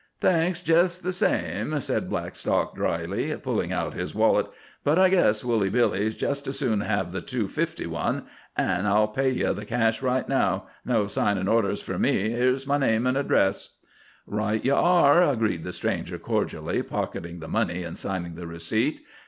"Thanks jest the same," said Blackstock drily, pulling out his wallet, "but I guess Woolly Billy'd jest as soon have the two fifty one. An' I'll pay ye the cash right now. No signin' orders fer me. Here's my name an' address." "Right ye are," agreed the stranger cordially, pocketing the money and signing the receipt.